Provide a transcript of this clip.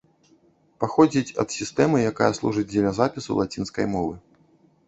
Паходзіць ад сістэмы, якая служыць дзеля запісу лацінскай мовы.